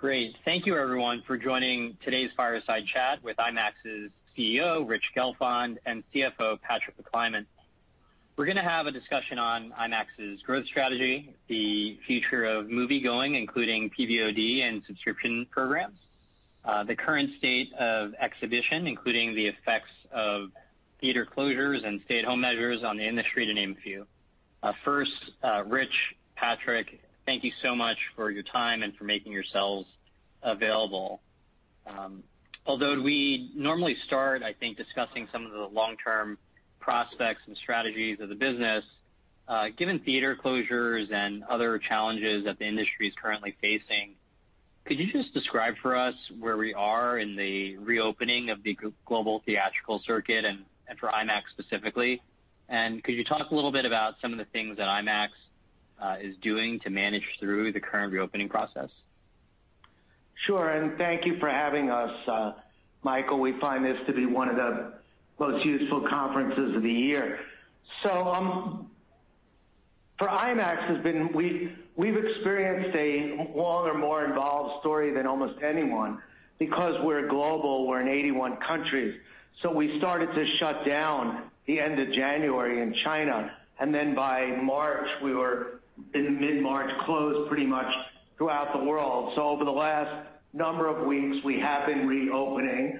Great. Thank you, everyone, for joining today's fireside chat with IMAX's CEO, Rich Gelfond, and CFO, Patrick McClymont. We're going to have a discussion on IMAX's growth strategy, the future of moviegoing, including PVOD and subscription programs, the current state of exhibition, including the effects of theater closures and stay-at-home measures on the industry, to name a few. First, Rich, Patrick, thank you so much for your time and for making yourselves available. Although we normally start, I think, discussing some of the long-term prospects and strategies of the business, given theater closures and other challenges that the industry is currently facing, could you just describe for us where we are in the reopening of the global theatrical circuit and for IMAX specifically? And could you talk a little bit about some of the things that IMAX is doing to manage through the current reopening process? Sure. And thank you for having us, Michael. We find this to be one of the most useful conferences of the year. So for IMAX, we've experienced a longer, more involved story than almost anyone because we're global. We're in 81 countries. So we started to shut down at the end of January in China. And then by March, we were, in mid-March, closed pretty much throughout the world. So over the last number of weeks, we have been reopening.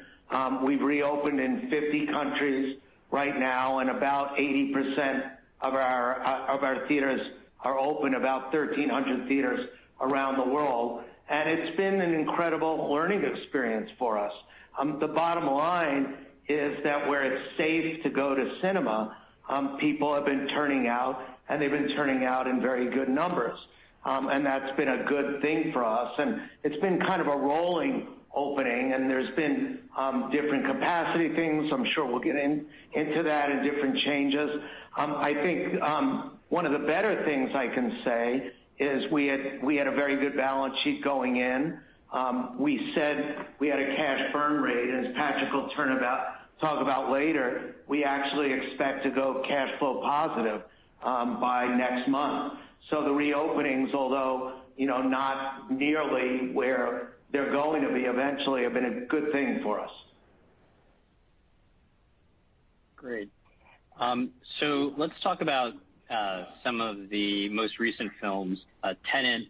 We've reopened in 50 countries right now, and about 80% of our theaters are open, about 1,300 theaters around the world. And it's been an incredible learning experience for us. The bottom line is that where it's safe to go to cinema, people have been turning out, and they've been turning out in very good numbers. And that's been a good thing for us. And it's been kind of a rolling opening, and there's been different capacity things. I'm sure we'll get into that and different changes. I think one of the better things I can say is we had a very good balance sheet going in. We said we had a cash burn rate, as Patrick will talk about later. We actually expect to go cash flow positive by next month. So the reopenings, although not nearly where they're going to be eventually, have been a good thing for us. Great. So let's talk about some of the most recent films. Tenet,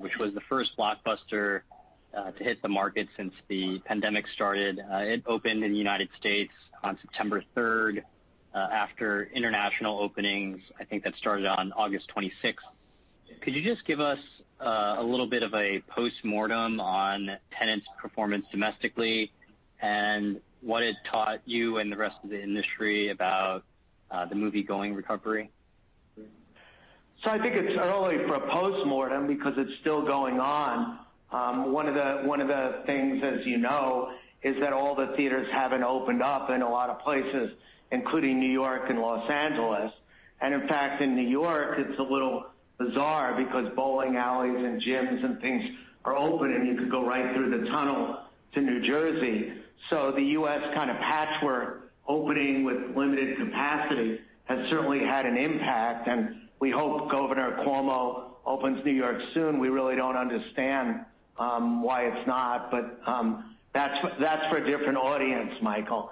which was the first blockbuster to hit the market since the pandemic started, it opened in the United States on September 3rd after international openings. I think that started on August 26. Could you just give us a little bit of a postmortem on Tenet's performance domestically and what it taught you and the rest of the industry about the moviegoing recovery? So I think it's early for a postmortem because it's still going on. One of the things, as you know, is that all the theaters haven't opened up in a lot of places, including New York and Los Angeles. And in fact, in New York, it's a little bizarre because bowling alleys and gyms and things are open, and you could go right through the tunnel to New Jersey. So the U.S. kind of patchwork opening with limited capacity has certainly had an impact. And we hope Governor Cuomo opens New York soon. We really don't understand why it's not, but that's for a different audience, Michael.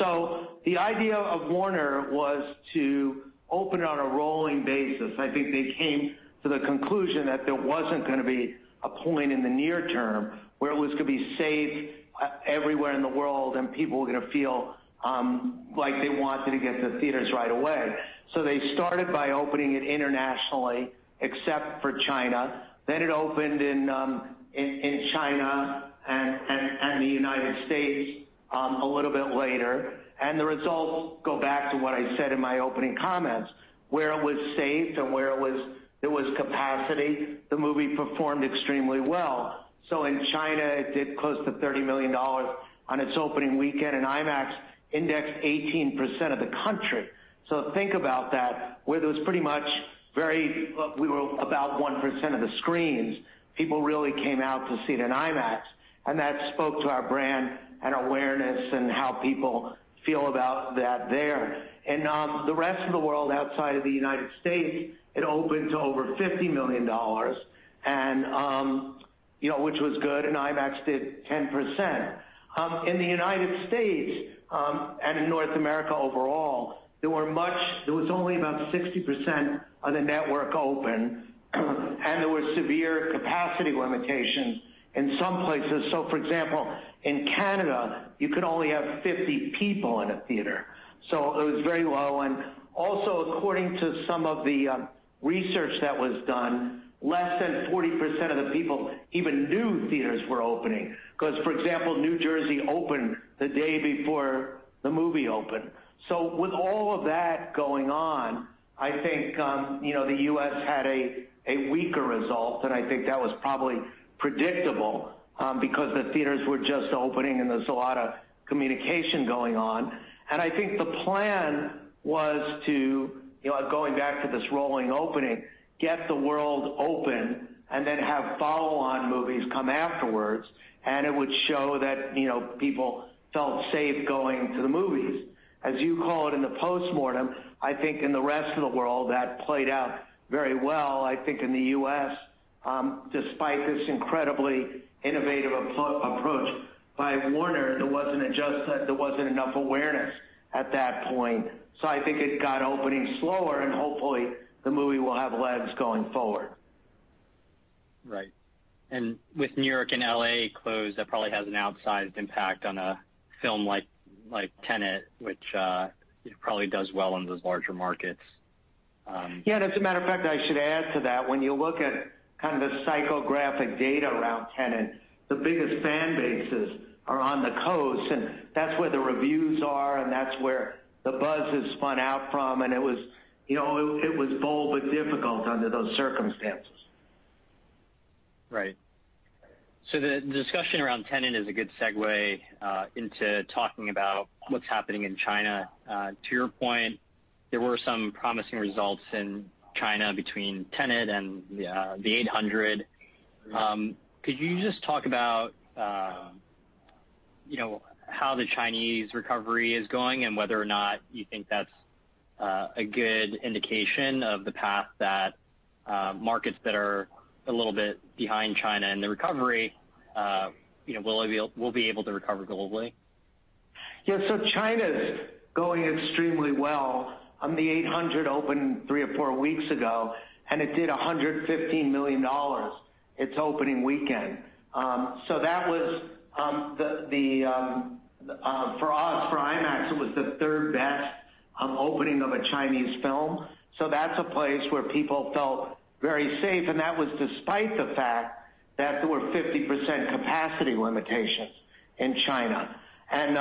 So the idea of Warner was to open on a rolling basis. I think they came to the conclusion that there wasn't going to be a point in the near term where it was going to be safe everywhere in the world and people were going to feel like they wanted to get to theaters right away, so they started by opening it internationally, except for China. Then it opened in China and the United States a little bit later, and the results go back to what I said in my opening comments. Where it was safe and where it was there was capacity, the movie performed extremely well. So in China, it did close to $30 million on its opening weekend, and IMAX indexed 18% of the country. So think about that. Where there was pretty much we were about 1% of the screens, people really came out to see it in IMAX. That spoke to our brand and awareness and how people feel about that there. In the rest of the world, outside of the United States, it opened to over $50 million, which was good, and IMAX did 10%. In the United States and in North America overall, there was only about 60% of the network open, and there were severe capacity limitations in some places. For example, in Canada, you could only have 50 people in a theater. It was very low. Also, according to some of the research that was done, less than 40% of the people even knew theaters were opening because, for example, New Jersey opened the day before the movie opened. So with all of that going on, I think the U.S. had a weaker result, and I think that was probably predictable because the theaters were just opening, and there's a lot of communication going on. And I think the plan was to, going back to this rolling opening, get the world open and then have follow-on movies come afterwards. And it would show that people felt safe going to the movies. As you call it in the postmortem, I think in the rest of the world, that played out very well. I think in the U.S., despite this incredibly innovative approach by Warner, there wasn't enough awareness at that point. So I think it got opening slower, and hopefully, the movie will have legs going forward. Right, and with New York and LA closed, that probably has an outsized impact on a film like Tenet, which probably does well in those larger markets. Yeah. And as a matter of fact, I should add to that, when you look at kind of the psychographic data around Tenet, the biggest fan bases are on the coast, and that's where the reviews are, and that's where the buzz is spun out from. And it was bold but difficult under those circumstances. Right. So the discussion around Tenet is a good segue into talking about what's happening in China. To your point, there were some promising results in China between Tenet and The Eight Hundred. Could you just talk about how the Chinese recovery is going and whether or not you think that's a good indication of the path that markets that are a little bit behind China in the recovery will be able to recover globally? Yeah. So China's going extremely well. The Eight Hundred opened three or four weeks ago, and it did $115 million its opening weekend. So that was, for us, for IMAX, it was the third-best opening of a Chinese film. So that's a place where people felt very safe, and that was despite the fact that there were 50% capacity limitations in China. And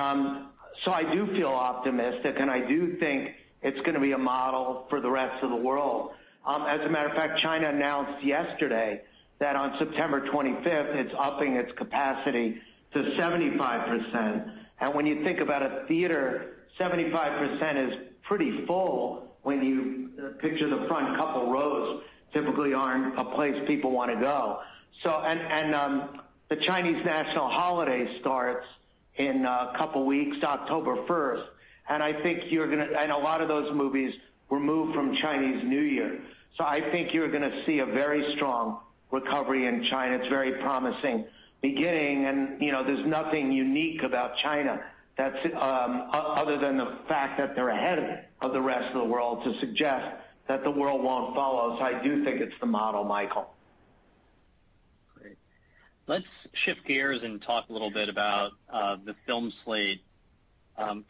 so I do feel optimistic, and I do think it's going to be a model for the rest of the world. As a matter of fact, China announced yesterday that on September 25th, it's upping its capacity to 75%. And when you think about a theater, 75% is pretty full when you picture the front couple rows typically aren't a place people want to go. And the Chinese national holiday starts in a couple weeks, October 1st. A lot of those movies were moved from Chinese New Year. So I think you're going to see a very strong recovery in China. It's a very promising beginning. And there's nothing unique about China other than the fact that they're ahead of the rest of the world to suggest that the world won't follow. So I do think it's the model, Michael. Great. Let's shift gears and talk a little bit about the film slate.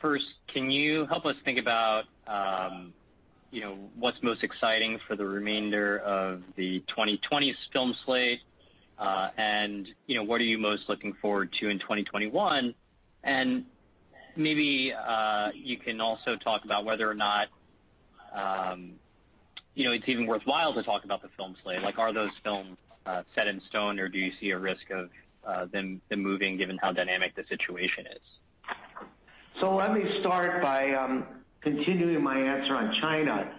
First, can you help us think about what's most exciting for the remainder of the 2020s film slate? And what are you most looking forward to in 2021? And maybe you can also talk about whether or not it's even worthwhile to talk about the film slate. Are those films set in stone, or do you see a risk of them moving given how dynamic the situation is? So let me start by continuing my answer on China.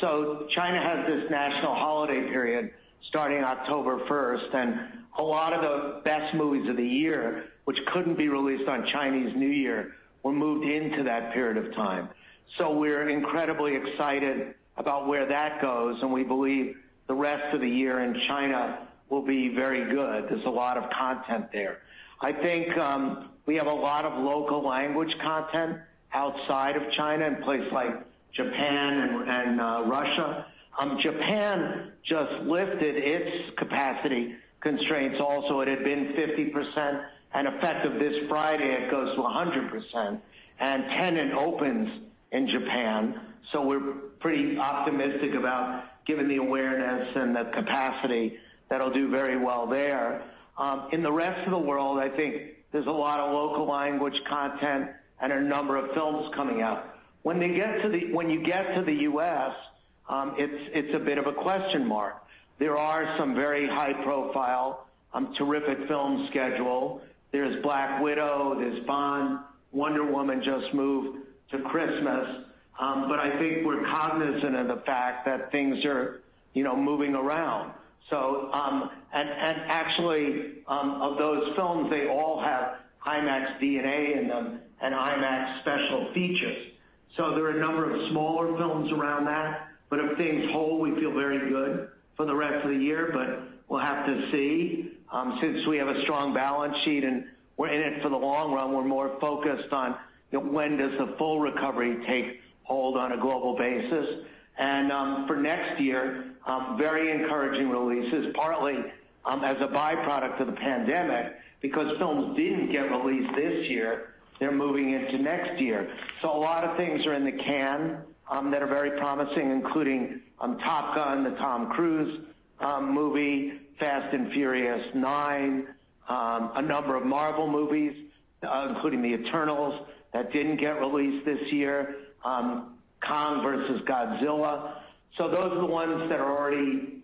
So China has this national holiday period starting October 1, and a lot of the best movies of the year, which couldn't be released on Chinese New Year, were moved into that period of time. So we're incredibly excited about where that goes, and we believe the rest of the year in China will be very good. There's a lot of content there. I think we have a lot of local language content outside of China in places like Japan and Russia. Japan just lifted its capacity constraints also. It had been 50%, and effective this Friday, it goes to 100%. And Tenet opens in Japan. So we're pretty optimistic about given the awareness and the capacity that'll do very well there. In the rest of the world, I think there's a lot of local language content and a number of films coming out. When you get to the U.S., it's a bit of a question mark. There are some very high-profile, terrific films scheduled. There's Black Widow. There's Bond. Wonder Woman just moved to Christmas. But I think we're cognizant of the fact that things are moving around. And actually, of those films, they all have IMAX DNA in them and IMAX special features. So there are a number of smaller films around that. But if things hold, we feel very good for the rest of the year. But we'll have to see since we have a strong balance sheet and we're in it for the long run, we're more focused on when does the full recovery take hold on a global basis. For next year, very encouraging releases, partly as a byproduct of the pandemic because films didn't get released this year. They're moving into next year. So a lot of things are in the can that are very promising, including Top Gun, the Tom Cruise movie, Fast and Furious 9, a number of Marvel movies, including The Eternals that didn't get released this year, Kong vs. Godzilla. So those are the ones that are already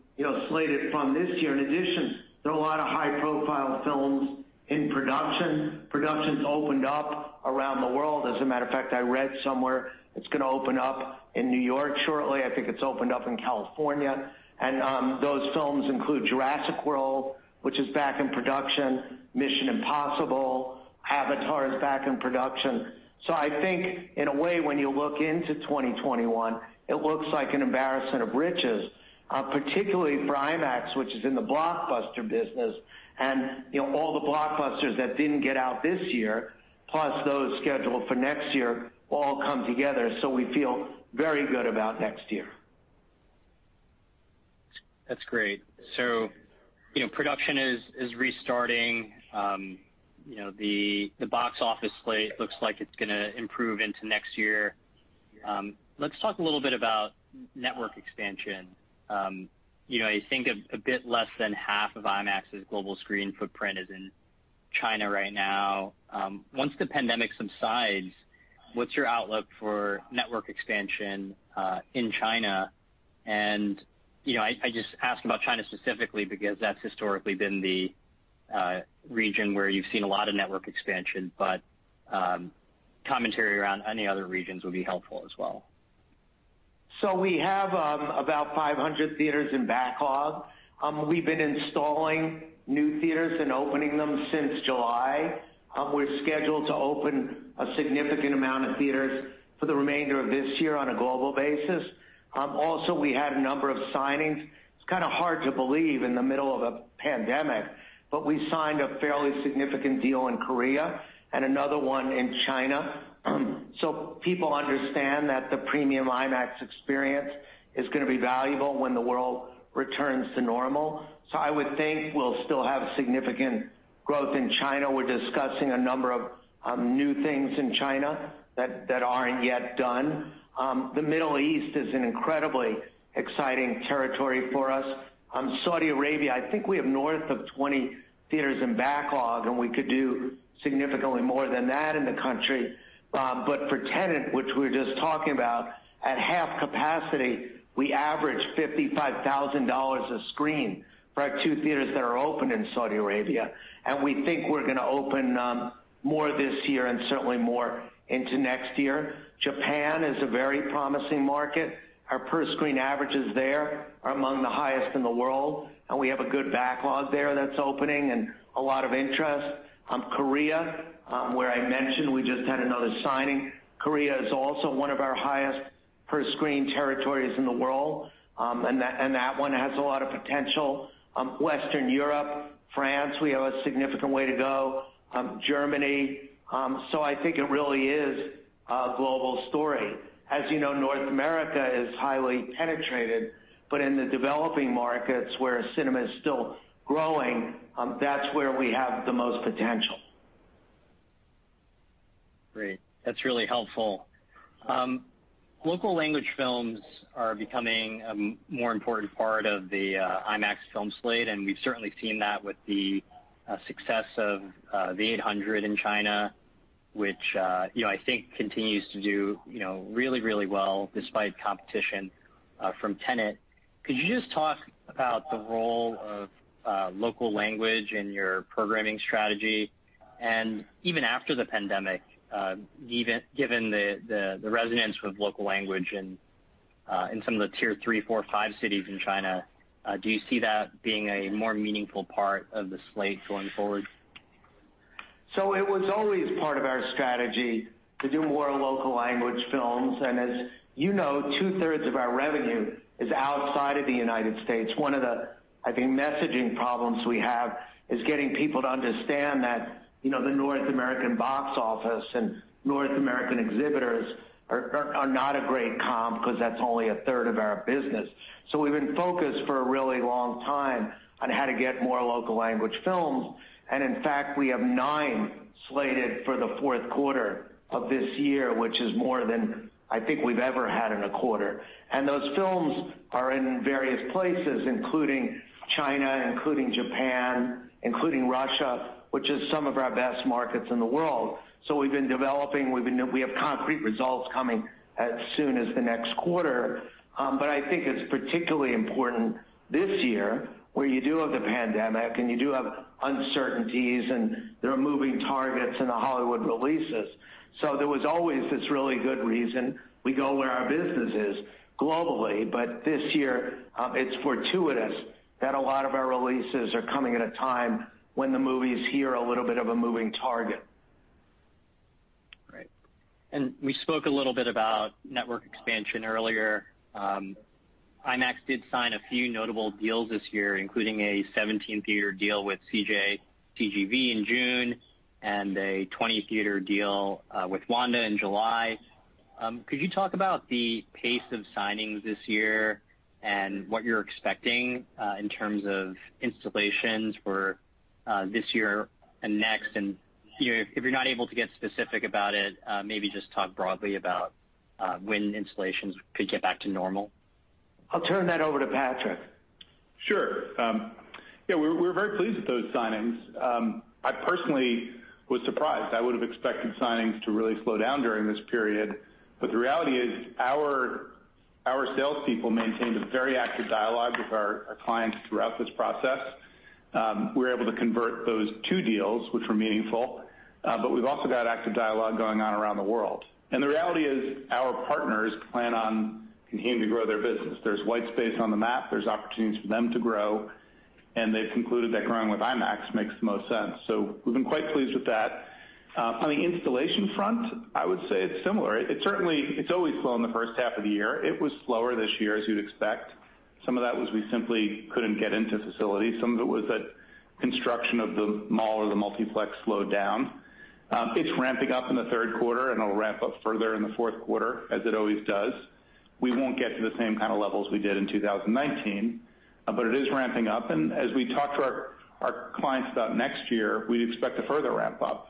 slated from this year. In addition, there are a lot of high-profile films in production. Productions opened up around the world. As a matter of fact, I read somewhere it's going to open up in New York shortly. I think it's opened up in California. And those films include Jurassic World, which is back in production, Mission Impossible, Avatar is back in production. I think in a way, when you look into 2021, it looks like an embarrassment of riches, particularly for IMAX, which is in the blockbuster business. All the blockbusters that didn't get out this year, plus those scheduled for next year, all come together. We feel very good about next year. That's great. So production is restarting. The box office slate looks like it's going to improve into next year. Let's talk a little bit about network expansion. I think a bit less than half of IMAX's global screen footprint is in China right now. Once the pandemic subsides, what's your outlook for network expansion in China? And I just ask about China specifically because that's historically been the region where you've seen a lot of network expansion. But commentary around any other regions would be helpful as well. We have about 500 theaters in backlog. We've been installing new theaters and opening them since July. We're scheduled to open a significant amount of theaters for the remainder of this year on a global basis. Also, we had a number of signings. It's kind of hard to believe in the middle of a pandemic, but we signed a fairly significant deal in Korea and another one in China. People understand that the premium IMAX experience is going to be valuable when the world returns to normal. I would think we'll still have significant growth in China. We're discussing a number of new things in China that aren't yet done. The Middle East is an incredibly exciting territory for us. Saudi Arabia, I think we have north of 20 theaters in backlog, and we could do significantly more than that in the country. But for Tenet, which we were just talking about, at half capacity, we average $55,000 a screen for our two theaters that are open in Saudi Arabia. And we think we're going to open more this year and certainly more into next year. Japan is a very promising market. Our per-screen averages there are among the highest in the world, and we have a good backlog there that's opening and a lot of interest. Korea, where I mentioned we just had another signing, Korea is also one of our highest per-screen territories in the world, and that one has a lot of potential. Western Europe, France, we have a significant way to go. Germany. So I think it really is a global story. As you know, North America is highly penetrated, but in the developing markets where cinema is still growing, that's where we have the most potential. Great. That's really helpful. Local language films are becoming a more important part of the IMAX film slate, and we've certainly seen that with the success of The Eight Hundred in China, which I think continues to do really, really well despite competition from Tenet. Could you just talk about the role of local language in your programming strategy? And even after the pandemic, given the resonance with local language in some of the tier three, four, five cities in China, do you see that being a more meaningful part of the slate going forward? So it was always part of our strategy to do more local language films. And as you know, two-thirds of our revenue is outside of the United States. One of the, I think, messaging problems we have is getting people to understand that the North American box office and North American exhibitors are not a great comp because that's only a third of our business. So we've been focused for a really long time on how to get more local language films. And in fact, we have nine slated for the fourth quarter of this year, which is more than I think we've ever had in a quarter. And those films are in various places, including China, including Japan, including Russia, which is some of our best markets in the world. So we've been developing. We have concrete results coming as soon as the next quarter. But I think it's particularly important this year, where you do have the pandemic and you do have uncertainties and there are moving targets in the Hollywood releases. So there was always this really good reason we go where our business is globally. But this year, it's fortuitous that a lot of our releases are coming at a time when the movies here are a little bit of a moving target. Right. And we spoke a little bit about network expansion earlier. IMAX did sign a few notable deals this year, including a 17-theater deal with CJ CGV in June and a 20-theater deal with Wanda in July. Could you talk about the pace of signings this year and what you're expecting in terms of installations for this year and next? And if you're not able to get specific about it, maybe just talk broadly about when installations could get back to normal. I'll turn that over to Patrick. Sure. Yeah, we're very pleased with those signings. I personally was surprised. I would have expected signings to really slow down during this period. But the reality is our salespeople maintained a very active dialogue with our clients throughout this process. We were able to convert those two deals, which were meaningful. But we've also got active dialogue going on around the world. And the reality is our partners plan on continuing to grow their business. There's white space on the map. There's opportunities for them to grow. And they've concluded that growing with IMAX makes the most sense. So we've been quite pleased with that. On the installation front, I would say it's similar. It's always slow in the first half of the year. It was slower this year, as you'd expect. Some of that was we simply couldn't get into facilities. Some of it was that construction of the mall or the multiplex slowed down. It's ramping up in the third quarter, and it'll ramp up further in the fourth quarter, as it always does. We won't get to the same kind of levels we did in 2019, but it is ramping up, and as we talk to our clients about next year, we'd expect a further ramp up.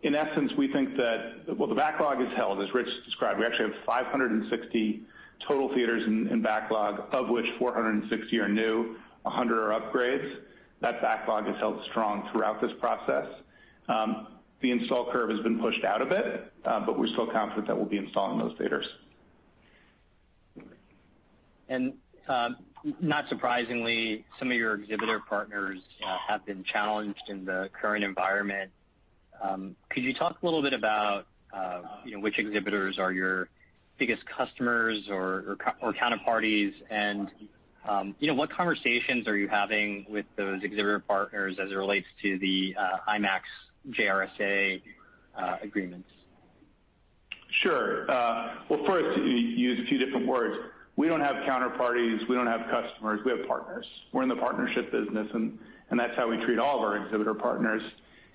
In essence, we think that, well, the backlog is held, as Rich described. We actually have 560 total theaters in backlog, of which 460 are new, 100 are upgrades. That backlog has held strong throughout this process. The install curve has been pushed out a bit, but we're still confident that we'll be installing those theaters. And not surprisingly, some of your exhibitor partners have been challenged in the current environment. Could you talk a little bit about which exhibitors are your biggest customers or counterparties? And what conversations are you having with those exhibitor partners as it relates to the IMAX JRSA agreements? Sure. Well, first, to use a few different words, we don't have counterparties. We don't have customers. We have partners. We're in the partnership business, and that's how we treat all of our exhibitor partners.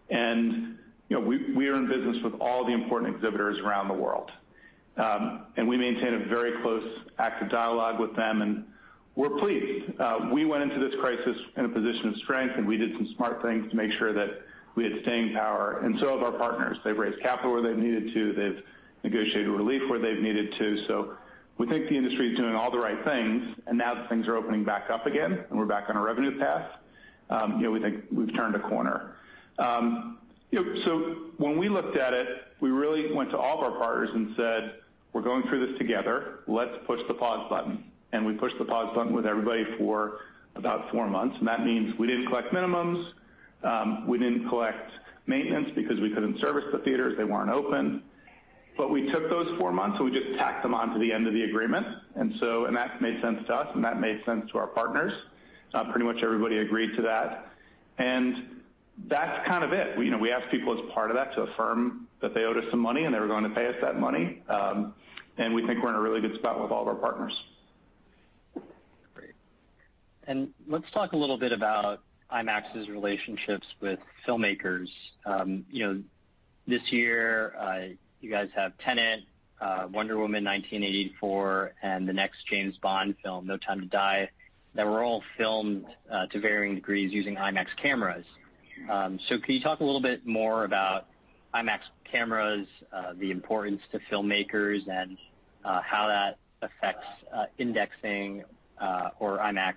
And we are in business with all the important exhibitors around the world. And we maintain a very close active dialogue with them, and we're pleased. We went into this crisis in a position of strength, and we did some smart things to make sure that we had staying power. And so have our partners. They've raised capital where they've needed to. They've negotiated relief where they've needed to. So we think the industry is doing all the right things, and now that things are opening back up again and we're back on a revenue path, we think we've turned a corner. So when we looked at it, we really went to all of our partners and said, "We're going through this together. Let's push the pause button." And we pushed the pause button with everybody for about four months. And that means we didn't collect minimums. We didn't collect maintenance because we couldn't service the theaters. They weren't open. But we took those four months, and we just tacked them on to the end of the agreement. And that made sense to us, and that made sense to our partners. Pretty much everybody agreed to that. And that's kind of it. We asked people as part of that to affirm that they owed us some money and they were going to pay us that money. And we think we're in a really good spot with all of our partners. Great. And let's talk a little bit about IMAX's relationships with filmmakers. This year, you guys have Tenet, Wonder Woman 1984, and the next James Bond film, No Time to Die, that were all filmed to varying degrees using IMAX cameras. So can you talk a little bit more about IMAX cameras, the importance to filmmakers, and how that affects indexing or IMAX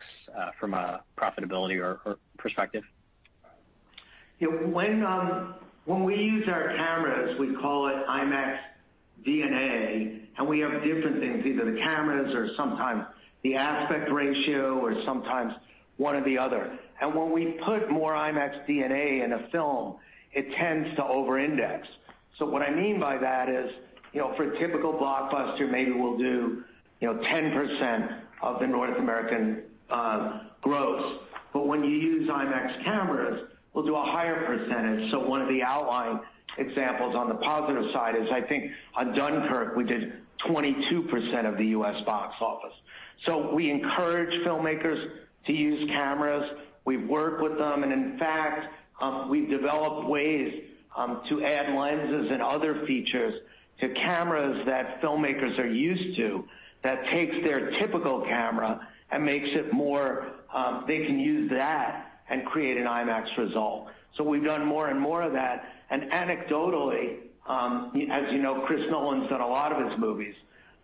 from a profitability perspective? When we use our cameras, we call it IMAX DNA, and we have different things, either the cameras or sometimes the aspect ratio or sometimes one or the other, and when we put more IMAX DNA in a film, it tends to over-index, so what I mean by that is for a typical blockbuster, maybe we'll do 10% of the North American gross, but when you use IMAX cameras, we'll do a higher percentage, so one of the outlying examples on the positive side is, I think, on Dunkirk, we did 22% of the U.S. box office, so we encourage filmmakers to use cameras, we've worked with them, and in fact, we've developed ways to add lenses and other features to cameras that filmmakers are used to that takes their typical camera and makes it more they can use that and create an IMAX result. So we've done more and more of that. And anecdotally, as you know, Chris Nolan's done a lot of his movies.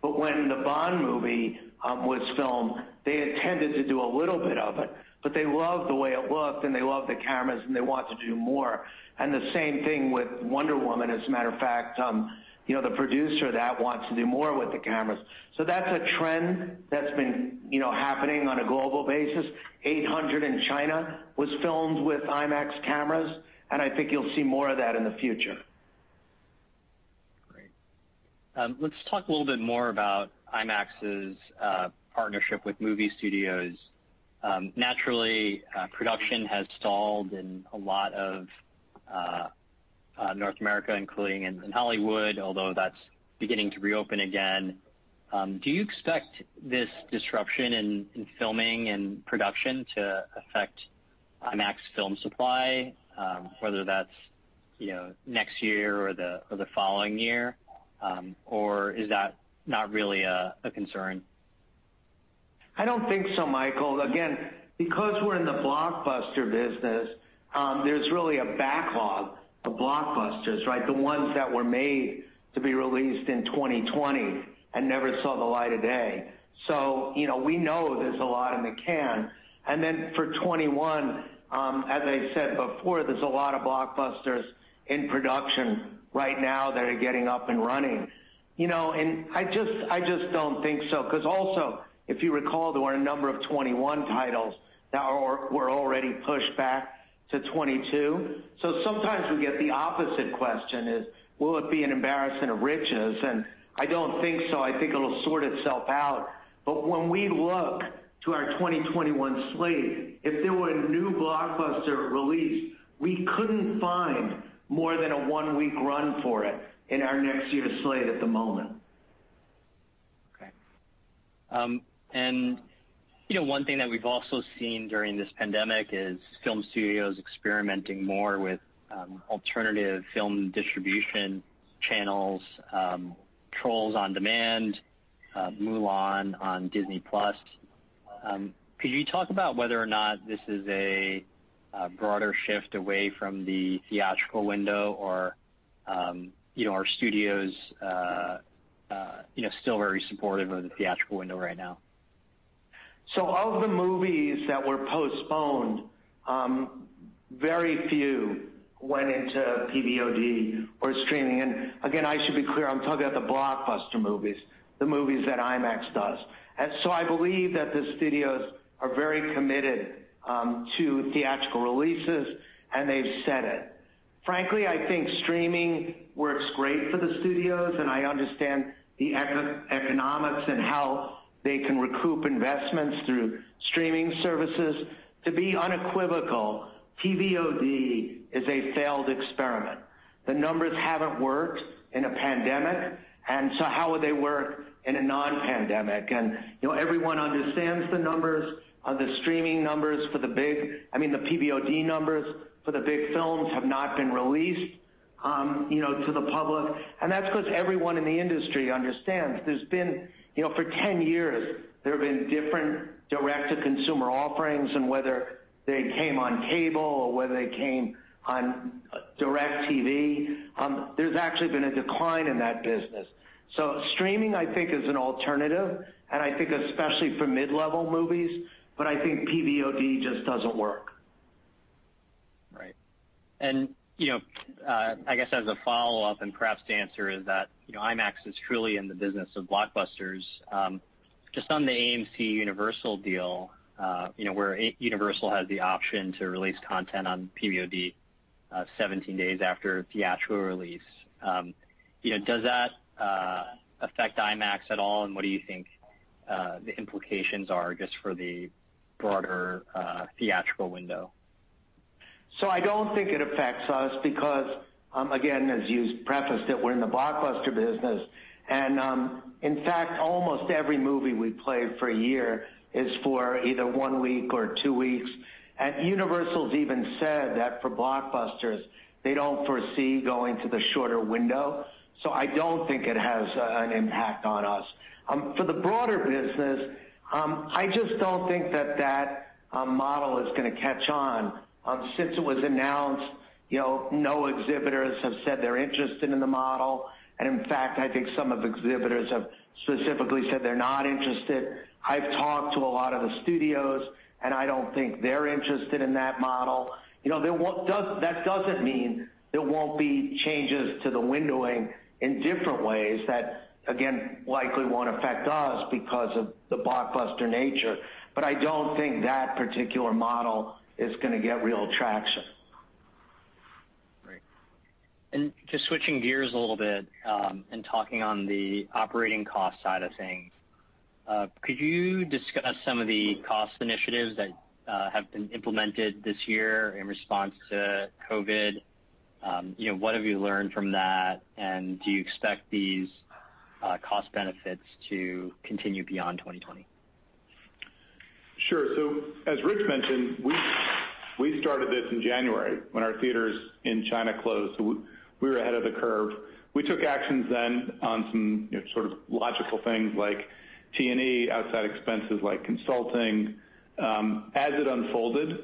But when the Bond movie was filmed, they intended to do a little bit of it, but they loved the way it looked, and they loved the cameras, and they wanted to do more. And the same thing with Wonder Woman. As a matter of fact, the producer of that wants to do more with the cameras. So that's a trend that's been happening on a global basis. The Eight Hundred in China was filmed with IMAX cameras, and I think you'll see more of that in the future. Great. Let's talk a little bit more about IMAX's partnership with movie studios. Naturally, production has stalled in a lot of North America, including in Hollywood, although that's beginning to reopen again. Do you expect this disruption in filming and production to affect IMAX film supply, whether that's next year or the following year, or is that not really a concern? I don't think so, Michael. Again, because we're in the blockbuster business, there's really a backlog of blockbusters, right? The ones that were made to be released in 2020 and never saw the light of day, so we know there's a lot in the can, and then for 2021, as I said before, there's a lot of blockbusters in production right now that are getting up and running, and I just don't think so. Because also, if you recall, there were a number of 2021 titles that were already pushed back to 2022, so sometimes we get the opposite question is, will it be an embarrassment of riches, and I don't think so. I think it'll sort itself out. But when we look to our 2021 slate, if there were a new blockbuster release, we couldn't find more than a one-week run for it in our next year's slate at the moment. Okay. And one thing that we've also seen during this pandemic is film studios experimenting more with alternative film distribution channels, Trolls on Demand, Mulan on Disney+. Could you talk about whether or not this is a broader shift away from the theatrical window or are studios still very supportive of the theatrical window right now? Of the movies that were postponed, very few went into PVOD or streaming. Again, I should be clear. I'm talking about the blockbuster movies, the movies that IMAX does. I believe that the studios are very committed to theatrical releases, and they've said it. Frankly, I think streaming works great for the studios, and I understand the economics and how they can recoup investments through streaming services. To be unequivocal, PVOD is a failed experiment. The numbers haven't worked in a pandemic, and so how would they work in a non-pandemic? Everyone understands the numbers on the streaming numbers for the big, I mean, the PVOD numbers for the big films have not been released to the public. That's because everyone in the industry understands there's been for 10 years, there have been different direct-to-consumer offerings, and whether they came on cable or whether they came on DirecTV, there's actually been a decline in that business. Streaming, I think, is an alternative, and I think especially for mid-level movies. I think PVOD just doesn't work. Right. And I guess as a follow-up and perhaps to answer is that IMAX is truly in the business of blockbusters. Just on the AMC Universal deal, where Universal has the option to release content on PVOD 17 days after theatrical release, does that affect IMAX at all? And what do you think the implications are just for the broader theatrical window? So I don't think it affects us because, again, as you've prefaced it, we're in the blockbuster business. And in fact, almost every movie we play for a year is for either one week or two weeks. And Universal's even said that for blockbusters, they don't foresee going to the shorter window. So I don't think it has an impact on us. For the broader business, I just don't think that that model is going to catch on. Since it was announced, no exhibitors have said they're interested in the model. And in fact, I think some of the exhibitors have specifically said they're not interested. I've talked to a lot of the studios, and I don't think they're interested in that model. That doesn't mean there won't be changes to the windowing in different ways that, again, likely won't affect us because of the blockbuster nature. But I don't think that particular model is going to get real traction. Right. And just switching gears a little bit and talking on the operating cost side of things, could you discuss some of the cost initiatives that have been implemented this year in response to COVID? What have you learned from that? And do you expect these cost benefits to continue beyond 2020? Sure. So as Rich mentioned, we started this in January when our theaters in China closed. So we were ahead of the curve. We took actions then on some sort of logical things like T&E, outside expenses like consulting. As it unfolded,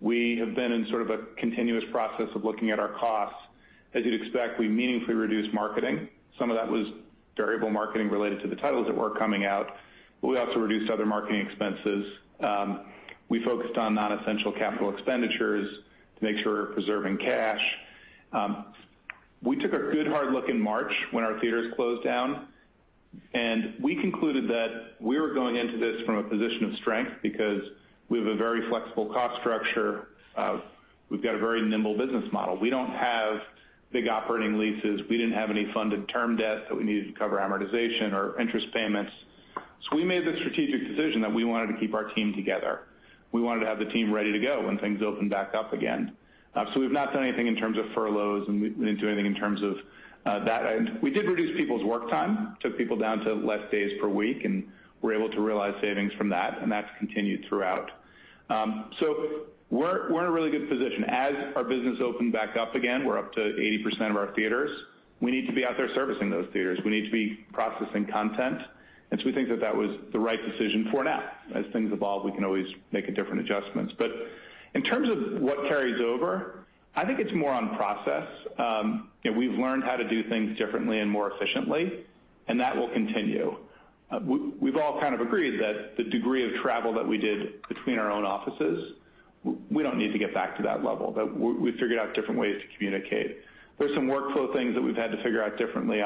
we have been in sort of a continuous process of looking at our costs. As you'd expect, we meaningfully reduced marketing. Some of that was variable marketing related to the titles that were coming out. But we also reduced other marketing expenses. We focused on non-essential capital expenditures to make sure we're preserving cash. We took a good hard look in March when our theaters closed down, and we concluded that we were going into this from a position of strength because we have a very flexible cost structure. We've got a very nimble business model. We don't have big operating leases. We didn't have any funded term debt that we needed to cover amortization or interest payments. So we made the strategic decision that we wanted to keep our team together. We wanted to have the team ready to go when things opened back up again. So we've not done anything in terms of furloughs, and we didn't do anything in terms of that. We did reduce people's work time, took people down to less days per week, and we're able to realize savings from that, and that's continued throughout. So we're in a really good position. As our business opened back up again, we're up to 80% of our theaters. We need to be out there servicing those theaters. We need to be processing content. And so we think that that was the right decision for now. As things evolve, we can always make different adjustments. But in terms of what carries over, I think it's more on process. We've learned how to do things differently and more efficiently, and that will continue. We've all kind of agreed that the degree of travel that we did between our own offices, we don't need to get back to that level. We figured out different ways to communicate. There are some workflow things that we've had to figure out differently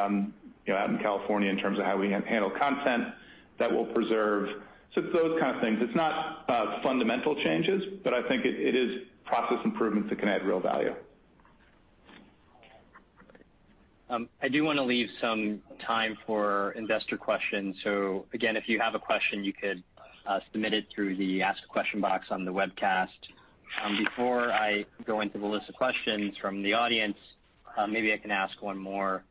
out in California in terms of how we handle content that we'll preserve. So those kind of things. It's not fundamental changes, but I think it is process improvements that can add real value. I do want to leave some time for investor questions. So again, if you have a question, you could submit it through the Ask a Question box on the webcast. Before I go into the list of questions from the audience, maybe I can ask one more.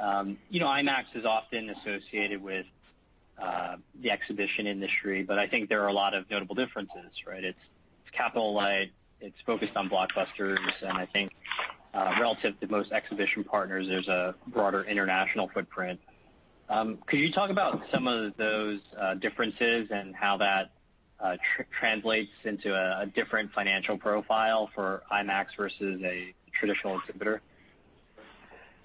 IMAX is often associated with the exhibition industry, but I think there are a lot of notable differences, right? It's capital light. It's focused on blockbusters. And I think relative to most exhibition partners, there's a broader international footprint. Could you talk about some of those differences and how that translates into a different financial profile for IMAX versus a traditional exhibitor? Yeah.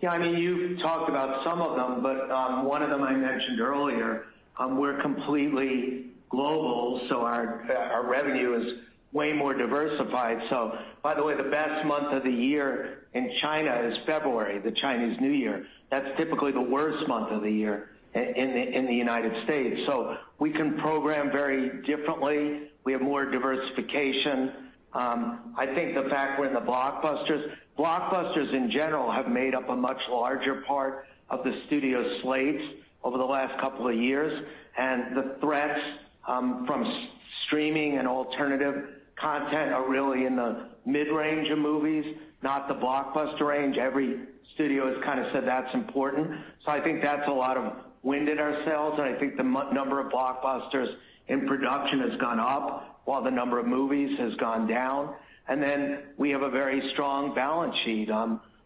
I mean, you've talked about some of them, but one of them I mentioned earlier, we're completely global, so our revenue is way more diversified. So by the way, the best month of the year in China is February, the Chinese New Year. That's typically the worst month of the year in the United States. So we can program very differently. We have more diversification. I think the fact we're in the blockbusters - blockbusters in general have made up a much larger part of the studio's slates over the last couple of years. And the threats from streaming and alternative content are really in the mid-range of movies, not the blockbuster range. Every studio has kind of said that's important. So I think that's a lot of wind in our sails. I think the number of blockbusters in production has gone up while the number of movies has gone down. We have a very strong balance sheet. As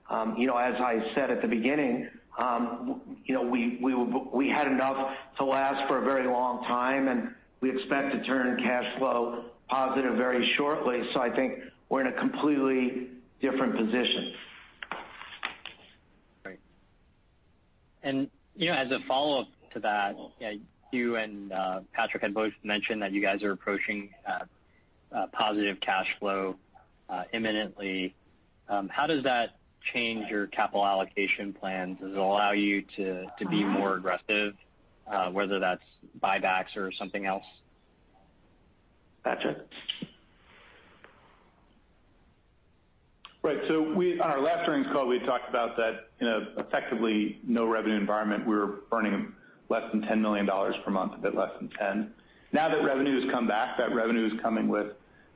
I said at the beginning, we had enough to last for a very long time, and we expect to turn cash flow positive very shortly. I think we're in a completely different position. Right. And as a follow-up to that, you and Patrick had both mentioned that you guys are approaching positive cash flow imminently. How does that change your capital allocation plans? Does it allow you to be more aggressive, whether that's buybacks or something else? Gotcha. Right. So on our last earnings call, we had talked about that in an effectively no-revenue environment, we were burning less than $10 million per month, a bit less than 10. Now that revenue has come back, that revenue is coming with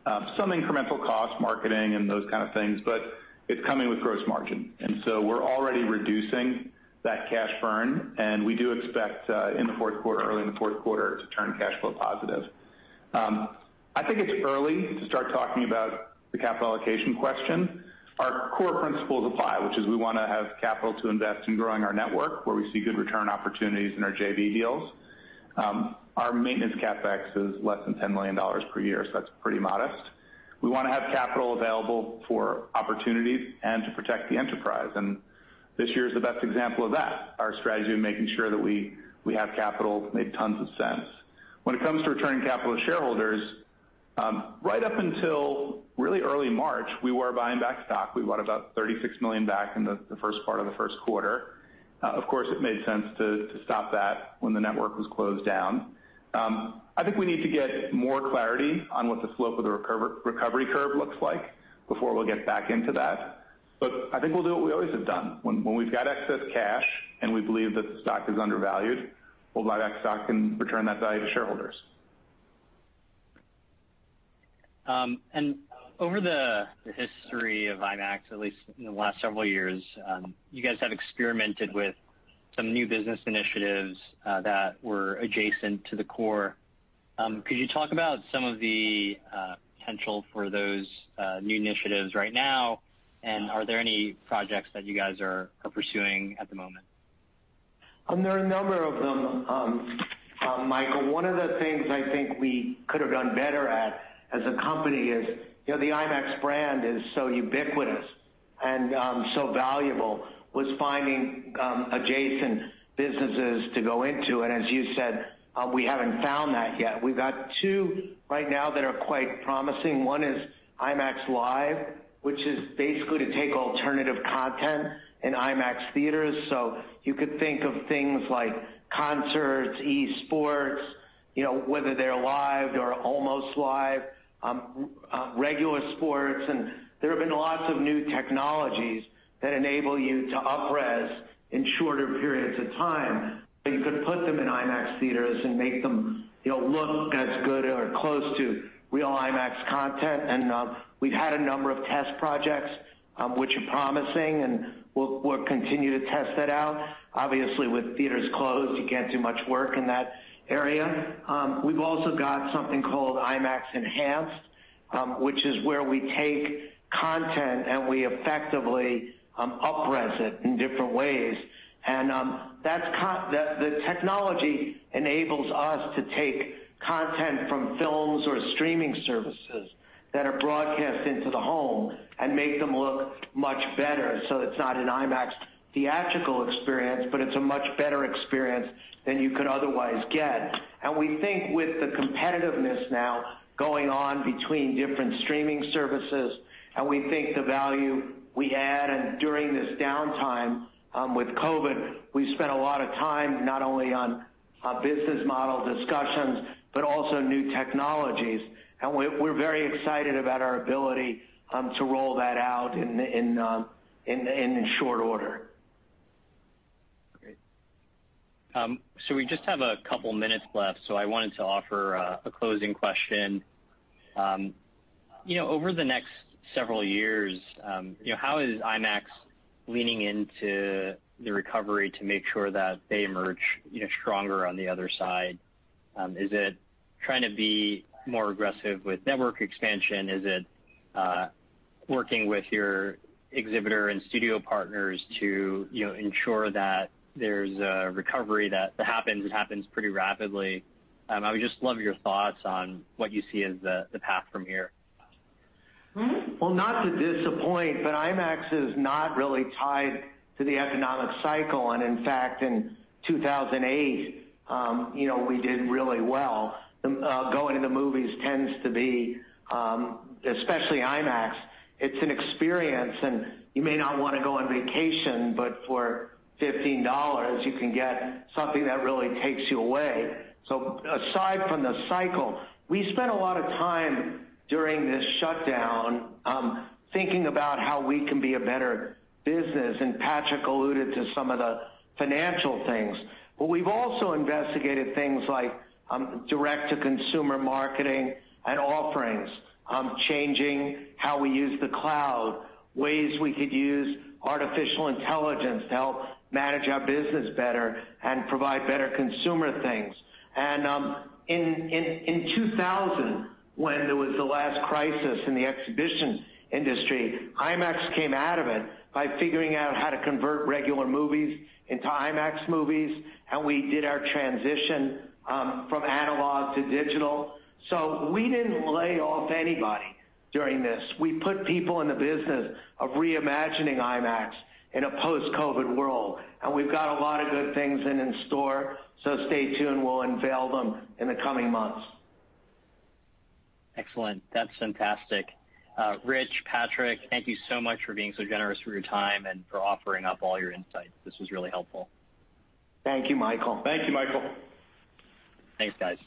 some incremental costs, marketing, and those kind of things, but it's coming with gross margin. And so we're already reducing that cash burn, and we do expect in the fourth quarter, early in the fourth quarter, to turn cash flow positive. I think it's early to start talking about the capital allocation question. Our core principles apply, which is we want to have capital to invest in growing our network where we see good return opportunities in our JV deals. Our maintenance CapEx is less than $10 million per year, so that's pretty modest. We want to have capital available for opportunities and to protect the enterprise. And this year is the best example of that. Our strategy of making sure that we have capital made tons of sense. When it comes to returning capital to shareholders, right up until really early March, we were buying back stock. We bought about $36 million back in the first part of the first quarter. Of course, it made sense to stop that when the network was closed down. I think we need to get more clarity on what the slope of the recovery curve looks like before we'll get back into that. But I think we'll do what we always have done. When we've got excess cash and we believe that the stock is undervalued, we'll buy back stock and return that value to shareholders. And over the history of IMAX, at least in the last several years, you guys have experimented with some new business initiatives that were adjacent to the core. Could you talk about some of the potential for those new initiatives right now? And are there any projects that you guys are pursuing at the moment? There are a number of them, Michael. One of the things I think we could have done better at as a company is the IMAX brand is so ubiquitous and so valuable, was finding adjacent businesses to go into. And as you said, we haven't found that yet. We've got two right now that are quite promising. One is IMAX Live, which is basically to take alternative content in IMAX theaters. So you could think of things like concerts, e-sports, whether they're live or almost live, regular sports. And there have been lots of new technologies that enable you to up-res in shorter periods of time. So you could put them in IMAX theaters and make them look as good or close to real IMAX content. And we've had a number of test projects, which are promising, and we'll continue to test that out. Obviously, with theaters closed, you can't do much work in that area. We've also got something called IMAX Enhanced, which is where we take content and we effectively up-res it in different ways. The technology enables us to take content from films or streaming services that are broadcast into the home and make them look much better. It's not an IMAX theatrical experience, but it's a much better experience than you could otherwise get. We think with the competitiveness now going on between different streaming services, and we think the value we add, and during this downtime with COVID, we spent a lot of time not only on business model discussions, but also new technologies. We're very excited about our ability to roll that out in short order. Great. So we just have a couple of minutes left, so I wanted to offer a closing question. Over the next several years, how is IMAX leaning into the recovery to make sure that they emerge stronger on the other side? Is it trying to be more aggressive with network expansion? Is it working with your exhibitor and studio partners to ensure that there's a recovery that happens? It happens pretty rapidly. I would just love your thoughts on what you see as the path from here. Well, not to disappoint, but IMAX is not really tied to the economic cycle. And in fact, in 2008, we did really well. Going to the movies tends to be, especially IMAX, it's an experience. And you may not want to go on vacation, but for $15, you can get something that really takes you away. So aside from the cycle, we spent a lot of time during this shutdown thinking about how we can be a better business. And Patrick alluded to some of the financial things. But we've also investigated things like direct-to-consumer marketing and offerings, changing how we use the cloud, ways we could use artificial intelligence to help manage our business better and provide better consumer things. And in 2000, when there was the last crisis in the exhibition industry, IMAX came out of it by figuring out how to convert regular movies into IMAX movies. We did our transition from analog to digital. We didn't lay off anybody during this. We put people in the business of reimagining IMAX in a post-COVID world. We've got a lot of good things in store. Stay tuned. We'll unveil them in the coming months. Excellent. That's fantastic. Rich, Patrick, thank you so much for being so generous with your time and for offering up all your insights. This was really helpful. Thank you, Michael. Thank you, Michael. Thanks, guys.